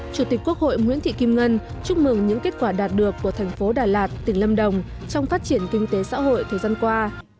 chủ tịch quốc hội nguyễn thị kim ngân chúc mừng những kết quả đạt được của thành phố đà lạt tỉnh lâm đồng trong phát triển kinh tế xã hội thời gian qua